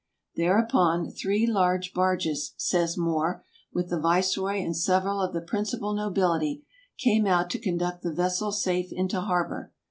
Thereupon "three large barges," says Moore, "with the viceroy and several of the principal nobility, came out to conduct the vessel safe into harbor.